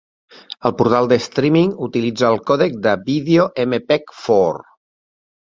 El portal de streaming utilitza el còdec de vídeo MPEG-Four.